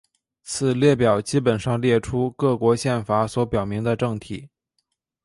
此列表基本上列出各国宪法所表明的政体。